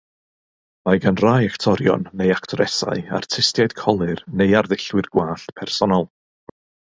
Mae gan rai actorion neu actoresau artistiaid colur neu arddullwyr gwallt personol.